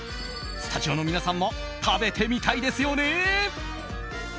スタジオの皆さんも食べてみたいですよね？